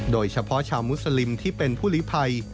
โดยเฉพาะชาวมุสลิมที่เป็นผู้ลิภัย